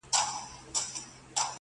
د ُملا په څېر به ژاړو له اسمانه؛